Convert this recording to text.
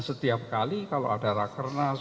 setiap kali kalau ada rakernas